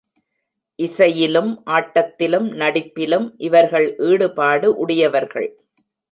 இசையிலும், ஆட்டத்திலும், நடிப்பிலும் இவர்கள் ஈடுபாடு உடையவர்கள்.